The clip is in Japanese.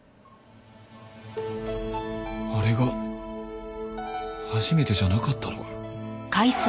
あれが初めてじゃなかったのか。